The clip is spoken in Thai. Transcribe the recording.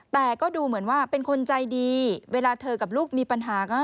แต่ก็ดูเหมือนว่าเป็นคนใจดีเวลาเธอกับลูกมีปัญหาก็